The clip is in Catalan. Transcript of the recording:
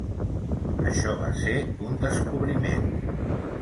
Això va ser un descobriment.